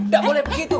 gak boleh begitu